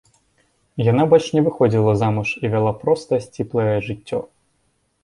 Яна больш не выходзіла замуж і вяла простае сціплае жыццё.